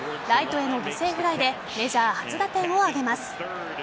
ライトへの犠牲フライでメジャー初打点を挙げます。